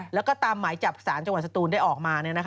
แล้วก็ตามหมายจับสารจังหวัดสตูนได้ออกมา